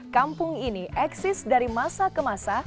kampung ini eksis dari masa ke masa